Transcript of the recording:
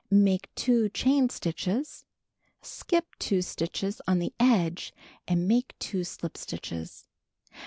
Make 2 chain stitches. Skip 2 stitches on the edge and make 2 slip stitches.